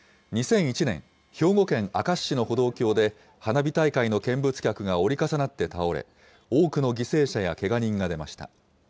２００１年、兵庫県明石市の歩道橋で、花火大会の見物客が折り重なって倒れ、多くの犠牲者やけが人が出ました。